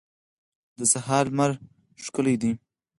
د سهار لمر ښکلی وي.